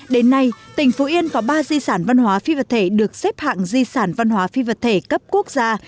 đến nay tỉnh phú yên có ba di sản văn hóa phi vật thể được xếp hạng di sản văn hóa phi vật thể cấp quốc gia